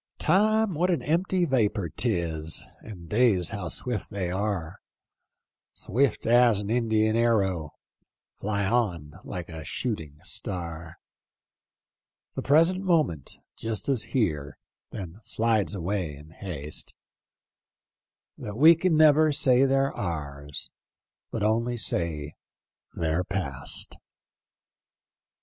" Time, what an empty vapor 'tis. And days how swi£t they are : Swift as an Indian arrow — Fly on lilie a shooting star. The present moment just is here, Then slides away in haste, That we can never say they're ours. But only say they're past."